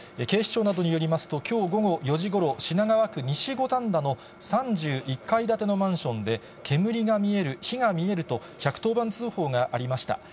警視庁などによりますと、きょう午後４時ごろ、品川区西五反田の３１階建てのマンションで、煙が見える、火が見えると、１１０番通報がありました。